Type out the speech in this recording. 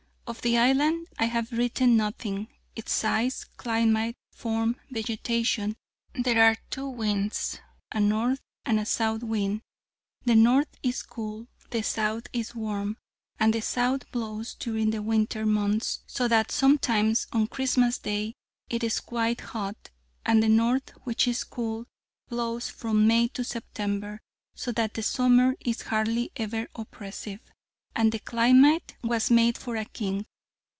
Of the island I have written nothing: its size, climate, form, vegetation.... There are two winds: a north and a south wind; the north is cool, and the south is warm; and the south blows during the winter months, so that sometimes on Christmas day it is quite hot; and the north, which is cool, blows from May to September, so that the summer is hardly ever oppressive, and the climate was made for a king.